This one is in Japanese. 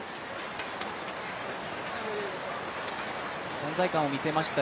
存在感を見せました